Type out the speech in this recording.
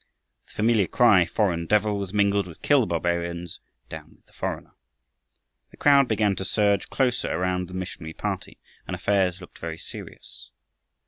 The familiar cry, "Foreign devil," was mingled with "Kill the barbarian," "Down with the foreigner." The crowd began to surge closer around the missionary party, and affairs looked very serious.